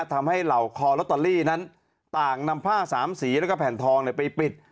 เหล่าคอลอตเตอรี่นั้นต่างนำผ้าสามสีแล้วก็แผ่นทองไปปิด